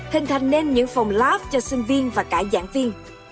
hình thành nên những phòng lab cho sinh viên và cả giảng viên